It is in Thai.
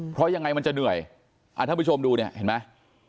เพราะยังไงมันจะเหนื่อยท่านผู้ชมดูเนี่ยเห็นไหม